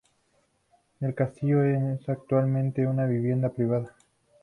El castillo es actualmente una vivienda privada.